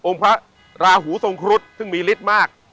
พระราหูทรงครุฑซึ่งมีฤทธิ์มาก